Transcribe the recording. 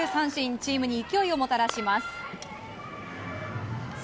チームに勢いをもたらします。